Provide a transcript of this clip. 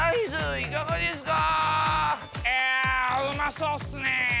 いやうまそうっすね！